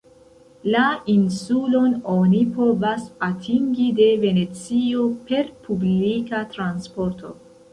La insulon oni povas atingi de Venecio per publika transporto.